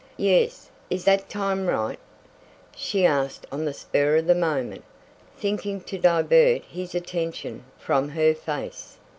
"Yes, is that time right?" she asked on the spur of the moment, thinking to divert his attention from her face.